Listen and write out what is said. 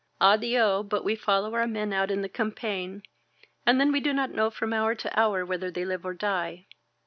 Ad%Oj but we follow our men out in the campaign, and then do not know from hour to hour whether they live or die.